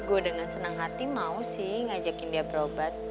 gue dengan senang hati mau sih ngajakin dia berobat